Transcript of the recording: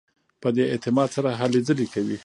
په دې اعتماد سره هلې ځلې کوي.